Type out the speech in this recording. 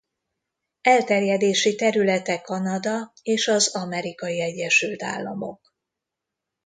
Elterjedési területe Kanada és az Amerikai Egyesült Államok.